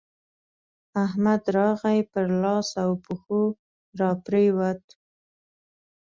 احمد راغی؛ پر لاس او پښو راپرېوت.